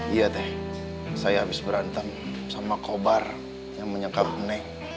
iya teh saya habis berantem sama kobar yang menyekap nek